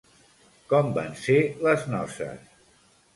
Com van ser les noces?